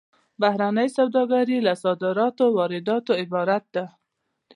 بهرنۍ سوداګري له صادراتو او وارداتو عبارت ده